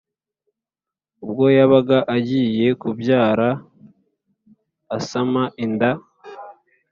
ubwo yabaga agiye kubyara asama inda